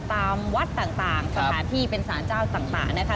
ตามวัดต่างสถานที่เป็นสารเจ้าต่างนะคะ